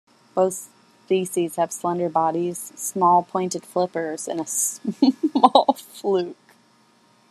Both species have slender bodies, small, pointed flippers and a small fluke.